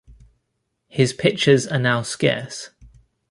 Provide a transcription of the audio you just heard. His pictures are now scarce.